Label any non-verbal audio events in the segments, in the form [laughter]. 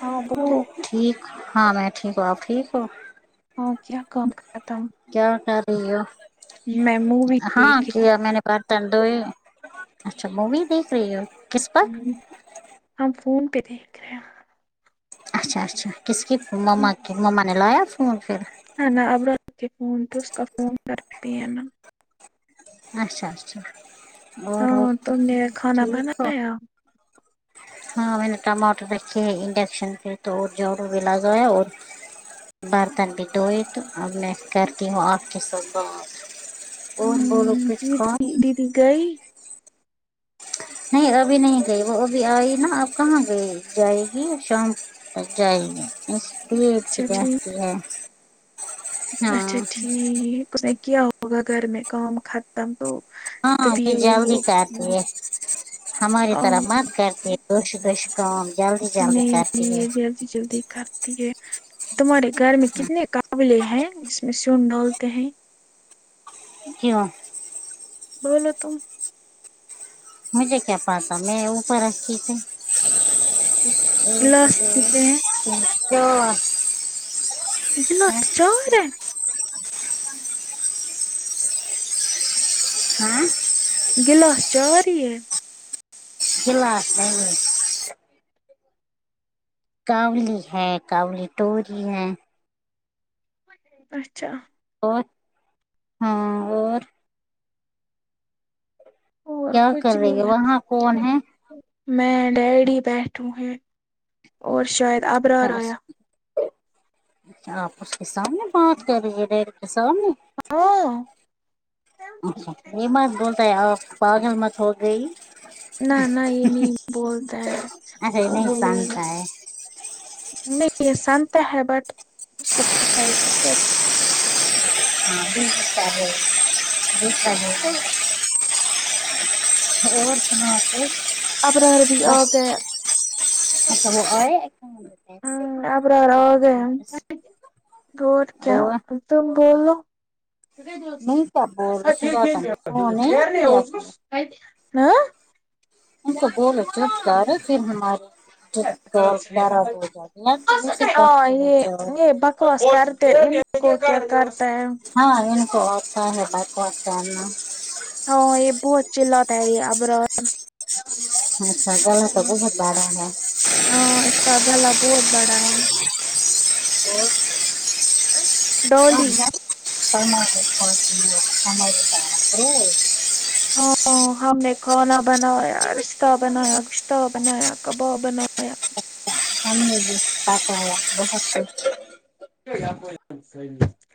ہاں ٹھیک ہاں میں ٹھیک ہوں آپ ٹھیک ہو کیا کام ہے بتاو کیا کر رہی ہو مووی ہاں دیکھ رہی کیا میں نے برتن اچھا مووی دیکھ رہی ہو کس پر ہم فون پے دیکھ رے ہیں اچھا اچھا کس کی فو مما کے مما نے لایا فون فیر نہ نہ ابرار کے فون پے اس کا فون گھر پے ہے نہ اچھا اچھا اور بتاؤ ہاں تم نے کھانا ٹھیک ہو بنایا ہاں میں نے ٹماٹر رکھے ہیں انڈکشن پے تو اور جاڑو لگایا اور برتن بھی دھوئے تو اب میں کرتی ہوں آپ کے ساتھ بات اور بولو ہوں، کچھ کام دیدی دیدی گئی نہیں ابھی نہیں گئی وہ ابھی آئی نا اب کہاں گئی جائے گی شام [unintelligible] اور جائے اچھا ٹھیک ہاں اچھا ٹھیک اس نے کیا ہوگا گھر میں کام قاتم تو ہاں تبھی امی ہوئی ہو جلدی کرتی ہے ہماری ہاں طرح مت کرتی ہے [unintelligible] کام جلدی جلدی نہیں کرتی نہیں ہے یہ جلدی جلدی کرتی ہے تمہارے گر میں کتنے کام تبلے ہیں جس میں سون ڈالتے ہیں ہیو بولو تم مجھے کیا پا تا میں اوپر رکھی تھی گلاس کتنے ہیں [inaudible] گیلا تین چار ہے ہاں گلاس چار ہی ہے کلاس نہیں ہے کاؤلی ہے کاولی ٹوری ہے اچھا اور ہاں اور اور کیا کر کچھ رہے ہے نہیں وہاں کون ہے میں ڈیڈی بیٹھو ہے اور شاید اچھا ابرار اس آیا آپ اس کے سامنے بات کر رہیے ڈیڈی کے سامنے [unintelligible] اچھا یے مت بولتا ہے آپ پاگل مت ہو گئی نہ نہ یے نہیں بولتا ہے اچھا یہ تو نہیں بولے گا سانتا ہے نہیں یے سانتا ہے بٹ اس کو پتا ہی کیا کر ہاں بھی [inaudible] تو [inaudible] ابرار بھی آ بس گئے اچھا وہ اے ہمم ابرار آ گئے اور کیا تم بولو نہیں کیا بول رہے سجاتا نے فون نہیں کیا [unintelligible] ہم تو بولو چپ گا رہا پھر ہمارے تو دوسرے آ کمرے میں یے جاؤ یے بکواس کرتے کو کر کرتا ہے ہاں ان کو آتا ہے بکواس کر نا ہاں یے بہت چلا تا یے ابرار اچھا گلہ تو بہت بڑا ہے ہاں اس کا گلہ بہت بڑا ہے اور ڈولی [inaudible] ہاں ہم نے کھانا بنایا رشہ بنایا گشتہ بنایا کباب بنایا [inaudible]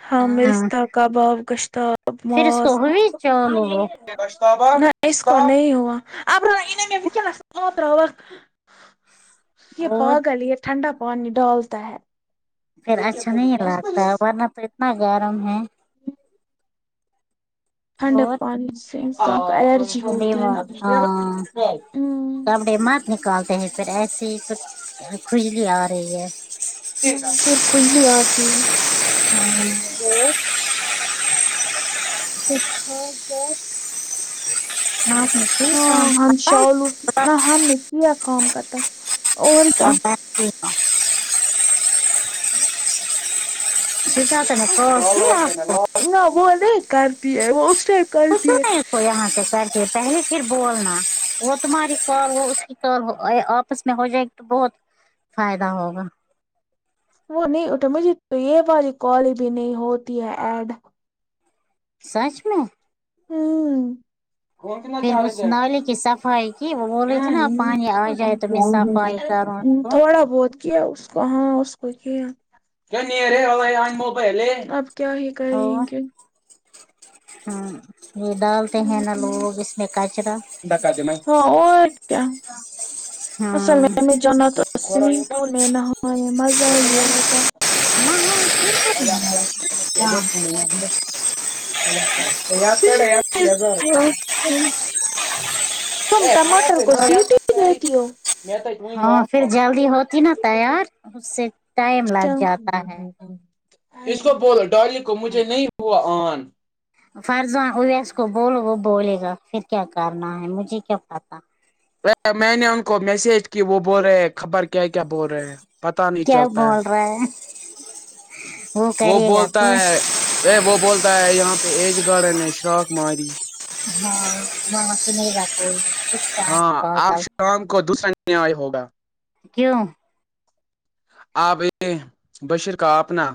ہاں میں رستہ کباب گشتاب پھر اس کوو ماس بھی [unintelligible] [unintelligible] یہ اور پاگل یہ ٹھنڈا پانی ڈالتا ہے پھر اچھا نہیں لگتا ورنہ تو اتنا گرم ہے ٹھنڈا اور پانی سے انسان کو الرجی ہوتی ہ دیوار ہاں کپڑے مت نکالتے ہیں پھر ایسی ہی کچھ کھجلی آ رہی ہے پھر کھجلی آتی ہے ساتھ [inaudible] ہاں ہم شالو نہ [inaudible] ہم نے کیا کام کر تا ہے [unintelligible] [unintelligible] و کیا آپ ہ کو ناوہ نہیں کرتی ہے وہ اس کچھو کرتی ہے نہیں کوئی یہاں کے سر پہلے پھر بولنا وہ تمہاری کال وہ اس کی کال آپس میں ہو جائے گی تو بہت فائدہ ہوگا وہ نہیں اٹھا مجھے تو یہ بی کال بھی نہیں ہوتی ہے ایڈ سچ میں ہوں فون کنا پھر چارنج اس نالے کی صفائی کی وہ بول رہی تھی نا پانی آ جائے تو میں صفائی کروں اس کو تھوڑا بہت یا اس کو ہاں اس کو کیا کیا کیا ہی کریں کہ ہ یہ ڈالتے ہیں نا لوگ اس میں کچرا ہاں کیا اصل ہاں میں جانا تو ھولنے نہانے مزہ ہی ہوتا [inaudible] ز وہ ٹماٹر کو سیٹی نہیںتی ہو ہاں پھر جلدی ہوتی نا تیار اس سے ٹائم لگ جاتا ہے اس کو بولو ڈارلی کو مجھے نہیں ہوا آن فرضاں ہویا اس کو بولو وہ بولے گا پھر کیا کرنا ہے مجھے کیا پتا میں نے ان کو میسج کی وہ بول رہے ہیں خبر کیا کیا بول رہے ہیں پتا نہیں کیا چلتا ہے [unintelligible] وہ کرے گا بولتا تو ہے اے وہ بولتا ہے یہاں پہ ایج گارڈن نے شراخ ماری ہاں ہاں س نہیں رات [inaudible] ہاں آپ شام کو دوسر ن آئے ہوگا کیوں آپ ا بشیر کا اپنا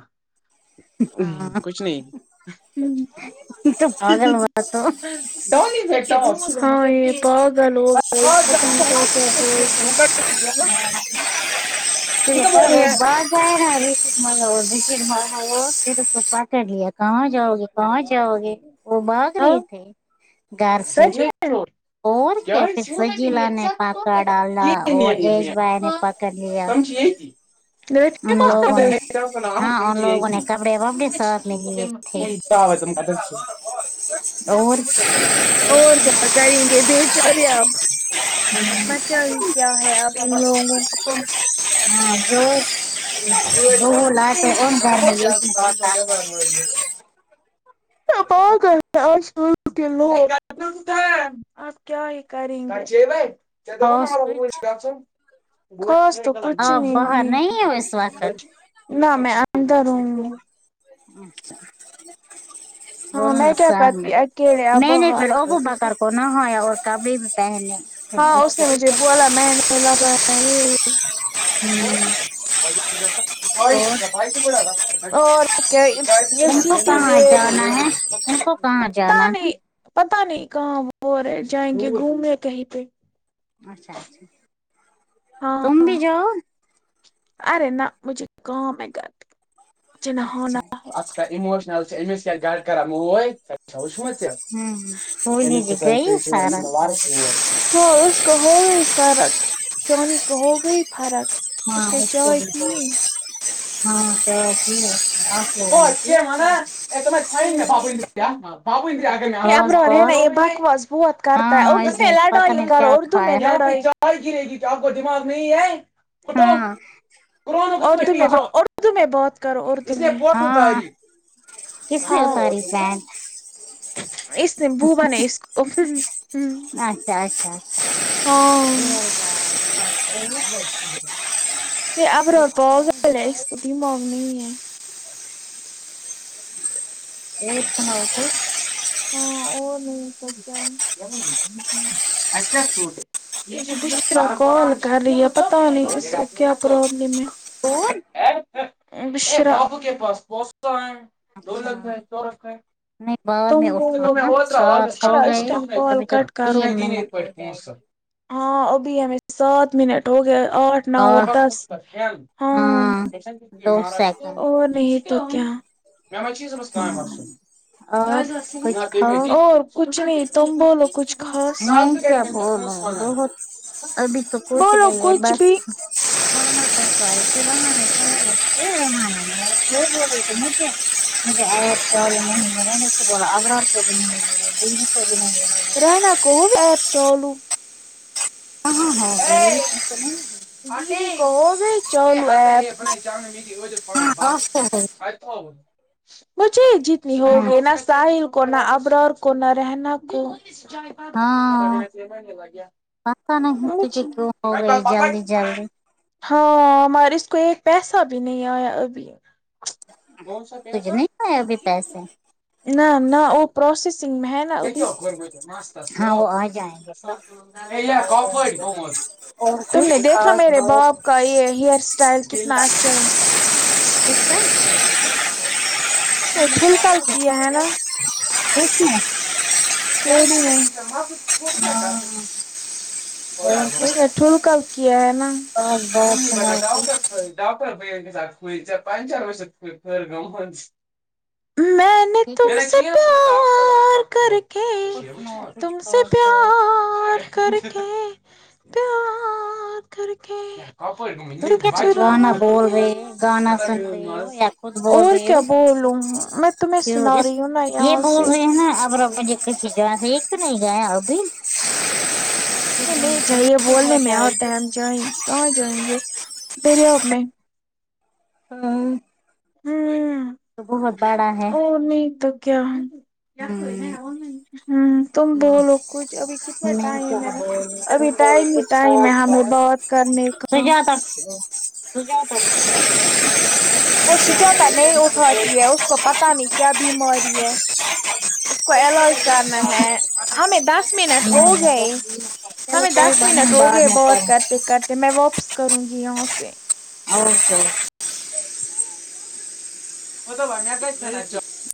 ہاں کچھ نہیں تو پاگل ہوا تو ہاں یہ پؤ گ لو [inaudible] [inaudible] کیا بول کہاں رہے جاؤ گے کہاں جاؤ گے وہ بھاگ رہے ہاں تھے گھر سے سچ اور کیا پھر سجیلا نے پکڑ ڈالا اور ایج بھائی نے [unintelligible] پکڑ لیا تم چ یتی ان لوگوں نے ہاں ان لوگوں نے کپڑے وپڑے ساتھ میں لیے تھے [unintelligible] ج اور [inaudible] کیا کریں گے بے چوریا آپ بچہ یہ کیا ہے اب ان لوگوں کو ہاں جو ب ل ہے ان جڑ میں یہ ب [inaudible] فارم لگے [unintelligible] [unintelligible] اور کچھ [unintelligible] نہیں ہے [unintelligible] نہ میں آند رہوں گی [inaudible] ہاں بولنا میں س کیا ل کرتی اکیلے اب نہیں نہیں پھر ا باہر بو ب کر کونا ہو اور کبھی بھی پہن ہاں اس نے مجھے بولا میںنے لگا اور [unintelligible] اور کیا ان کو کہاں جانا ہے ان کو کہاں جانا ہے [unintelligible] پتاہ نہیں کہاں وہ رہ جائیں گے گھومے کہیں پہ اچھا اچھا ہاں تم بھی جاؤ ارے نہ مجھے کام ہے گھر جن ہو نہ ہو اچھا ناں آج کا اموشنل ہوں پھولی جی گئی سارا [unintelligible] [unintelligible] ہاں اس کو ہو گا ہی فرق شانی کو ہو گا ہی فرق اس نے چائے پی [inaudible] [unintelligible] [unintelligible] پال کی بس بہت ہاں اس نے پتہ نہیں کیا کھایا رہے گی کیا آپ کو دماغ نہیں ہے ہاں اردو میں اردو میں بات کرو اردو میں ہاں تاری کس نے ہاں اتاری پینٹ اس نے وہ بنے اس کو ہ اچھا اچھا اچھا ہاں [unintelligible] [inaudible] [unintelligible] اب کال کر رہی ہے پتہ نہیں اس کو کیا پرابلم ہے [inaudible] اور [unintelligible] دو اچھا لکھ ہے سو رکھ ہے نہیں بعد میں اٹھانا سات ہو گئے تم کال ابھی تو کٹ کرو تین منٹ ہو جائے گی ہاں ابھی ہمیں سات منٹ ہو گیا ہے آٹھ اپنا اور دس ہاں دو سیکنڈ اور نہیں اور [unintelligible] کچھ کھاؤ اور کچھ نہیں تم بولو کچھ خاص میں کیا بولوں بہت ابھی تو کچھ بولو نہیں ہے کچھ بس بھی [inaudible] [inaudible] [unintelligible] ہاں ہاں ہوگئی [unintelligible] مجھے جتنی ہوگی نہ ساحل کونا ابرار کونا رحنا کو ہاں پتا نہیں تجھے کیوں ہو گئی جلدی جلدی [unintelligible] ہاں مریض اس کو ایک پیسہ بھی نہیں آیا ابھی کون سا تجھے پیسہ نہیں پائے ابھی پیسے نہ نہ وہ پروسیسنگ میں ہے ہاں وہ آ جائیں گے مجھے تو آ جائیں [unintelligible] گے اور تم کچھ نے دیکھا خاص میرے بات باپ کا یہ ہیئر اسٹائل کتنا اچھا ہے [inaudible] س ٹھمکا کیا ہے ناں [inaudible] [unintelligible] ہاں اور اس کچھ نے ٹھمکا کیا ہے ناں خاص بات سنا کچھ [unintelligible] [inaudible] تم سے پیار کرک کے کچھ نہیں کچھ تم سے خاص بات پیار کر کے پیار کر کے تم دل کیا گانا چرا بول رہے ہو لیا گانا سن رہی ہو یا خود بول اور رہی کیا ہو بولوں میں تمہیں کیوں سنا اس رہی ہوں ناں یہ یہاں بول سے رہے ہیں نا اب رب مجھے کسی جگہ ایک تو نہیں گیا ابھی یہ نہیں جاہے ہو بولنے میں جائے آتا گی ہے ہم جائیں گے کہاں جائیں گے دریا میں ہاں ھمم تو بہت بڑا ہے اور نہیں تو کیا حل ہوں ھمم تم بولو کچھ ابھی کتنا میں کیا ٹائم ہے بولوں ابھی تم بولو ٹائم ہی کچھ ٹائم ہے خاص ہمیں بات کرنے کا [unintelligible] وہ سجاتا نہیں اٹھاتی ہے اس کو پتہ نہیں کیا بیماری ہے کول اوٹ کرنا ہے ہمیں دس منٹ نہیں ہو نہیں گئے بس چلو ہمیں کوئی دس بات منٹ نہیں ہو بعد گئے میں با ت کریں کرتے کرتے میں واپس کروں گی یہاں سے [unintelligible] سے